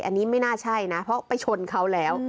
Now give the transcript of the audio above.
อันนี้ไม่น่าใช่นะเพราะไปชนเขาแล้ว